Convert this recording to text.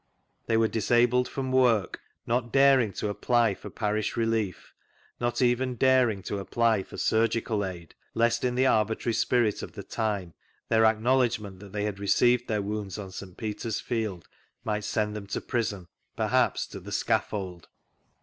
They v^re disabled from work ; not daring to apply for ■V Google MR. SMITH'S NARRATIVE n parish reSef ; not even daring to af^ly for surgical aid, lest, in the arbitrary spirit of the lime, their acknowledgment that they had received their wounds on St. Peter's field might send them to prison — perhaps to the scaffold.